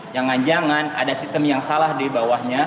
jangan jangan ada sistem yang salah di bawahnya